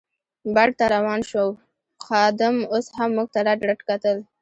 بڼ ته روان شوو، خادم اوس هم موږ ته رډ رډ کتل.